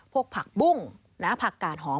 ผักบุ้งผักกาดหอม